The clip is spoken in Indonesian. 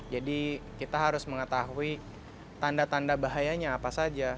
jadi kita harus mengetahui tanda tanda bahayanya apa saja